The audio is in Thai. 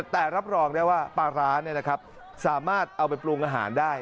แต่รับรองได้ว่าปลาร้าสามารถเอาไปปรุงอาหารได้